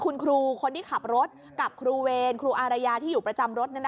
คุณครูคนที่ขับรถกับครูเวรครูอารยาที่อยู่ประจำรถ